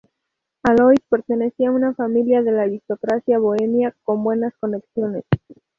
Alois pertenecía a una familia de la aristocracia bohemia con buenas conexiones.